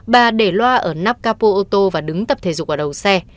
bà để loa ở nắp capo ô tô và đứng tập thể dục ở đầu xe